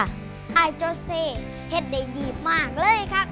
ไอ้โจเซเห็ดได้ดีมากเลยค่ะ